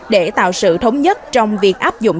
để tạo sự thống nhất trong việc áp dụng